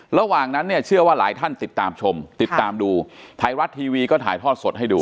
ระหว่างนั้นเนี่ยเชื่อว่าหลายท่านติดตามชมติดตามดูไทยรัฐทีวีก็ถ่ายทอดสดให้ดู